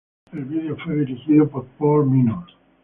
El video fue dirigido por Paul Minor.